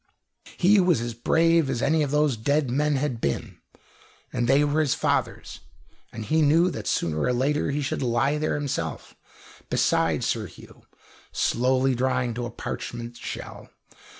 He was as brave as any of those dead men had been, and they were his fathers, and he knew that sooner or later he should lie there himself, beside Sir Hugh, slowly drying to a parchment shell.